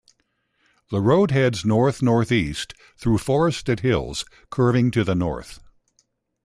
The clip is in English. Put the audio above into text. The road heads north-northeast through forested hills, curving to the north.